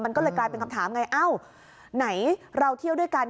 มันก็เลยกลายเป็นคำถามไงเอ้าไหนเราเที่ยวด้วยกัน